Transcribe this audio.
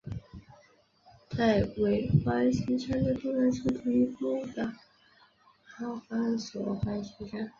戴维环形山的东南是醒目的阿方索环形山。